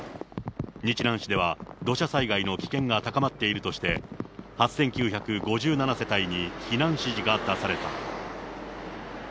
日南市では土砂災害の危険が高まっているとして、８９５７世帯に避難指示が出された。